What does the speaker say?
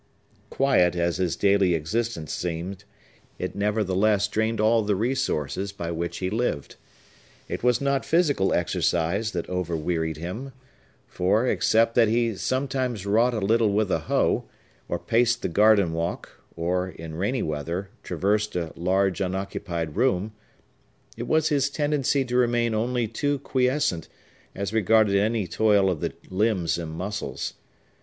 Quiet as his daily existence seemed, it nevertheless drained all the resources by which he lived. It was not physical exercise that overwearied him,—for except that he sometimes wrought a little with a hoe, or paced the garden walk, or, in rainy weather, traversed a large unoccupied room,—it was his tendency to remain only too quiescent, as regarded any toil of the limbs and muscles.